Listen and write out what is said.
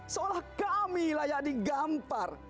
seolah kami layak digampar